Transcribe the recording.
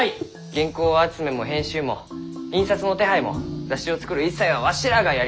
原稿集めも編集も印刷の手配も雑誌を作る一切はわしらがやりますき。